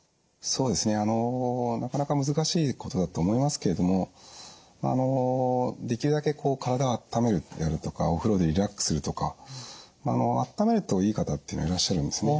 そうですねあのなかなか難しいことだと思いますけれどもまああのできるだけ体をあっためるであるとかお風呂でリラックスするとかまああのあっためるといい方っていうのはいらっしゃるんですね。